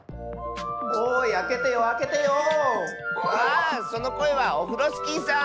あそのこえはオフロスキーさん。